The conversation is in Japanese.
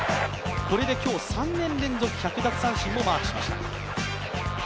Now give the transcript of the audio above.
これで今日、３年連続１００奪三振もマークしました。